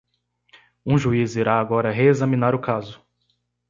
Um juiz irá agora reexaminar o caso.